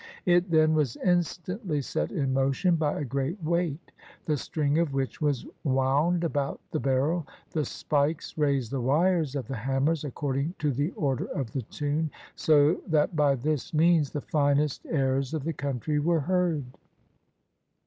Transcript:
It then was instantly set in motion by a great weight, the string of which was wound about the barrel. The spikes raised the wires of the hammers, according to the order of the tune, so that by this means the finest airs of the country were heard.